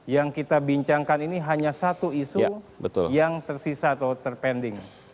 yang kita bincangkan ini hanya satu isu yang tersisa atau terpending